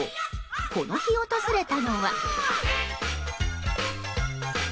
この日、訪れたのは。